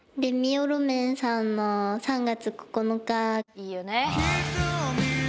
いいよね。